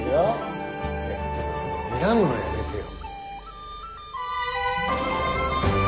ちょっとそのにらむのやめてよ。